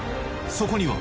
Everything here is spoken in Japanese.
そこには